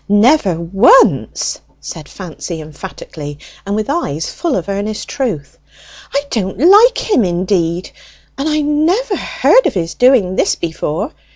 "Never once!" said Fancy emphatically, and with eyes full of earnest truth. "I don't like him indeed, and I never heard of his doing this before!